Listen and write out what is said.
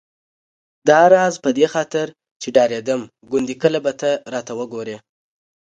داراز په دې خاطر چې ډارېدم ګوندې کله به ته راته وګورې.